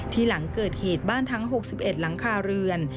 หลังเกิดเหตุบ้านทั้ง๖๑หลังคาเรือน